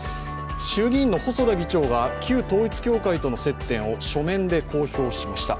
衆議院の細田議長が、旧統一教会との接点を書面で公表しました